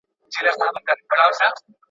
کمپیوټرونه د معلوماتو ذخیره کولو لپاره غوره دي.